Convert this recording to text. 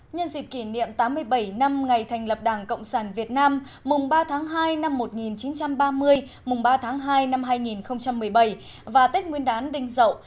nhân dịp kỷ niệm tám mươi bảy năm ngày thành lập đảng cộng sản việt nam mùng ba tháng hai năm một nghìn chín trăm ba mươi mùng ba tháng hai năm hai nghìn một mươi bảy và tết nguyên đán đinh dậu